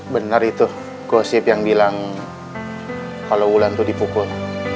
bener itu gosip yang bilang kalau ulan itu dipukul